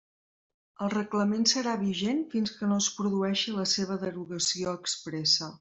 El Reglament serà vigent fins que no es produeixi la seva derogació expressa.